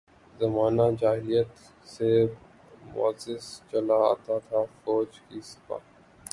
زمانہ جاہلیت سے معزز چلا آتا تھا، فوج کی سپہ